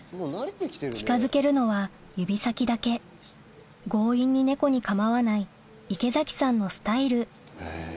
近づけるのは指先だけ強引に猫に構わない池崎さんのスタイルへぇ。